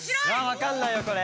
わかんないよこれ。